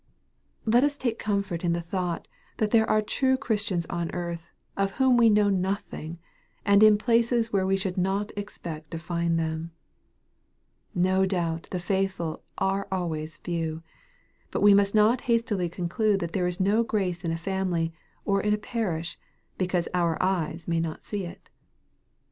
Let us take comfort in the thought that there are true Christians on earth, of whom we know nothing, and in places where we should not expect to find them. No doubt the faithful are always few. But we must not hastily conclude that there is no grace in a family or in a parish, because our eyes may not see it.